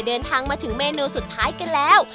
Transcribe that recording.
เดินทางมาถึงเมนูสุดท้ายกันแล้ว